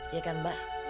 iya kan mbak